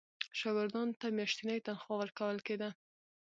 شاګردانو ته میاشتنی تنخوا ورکول کېدله.